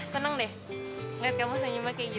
seneng deh liat kamu senyumnya kayak gitu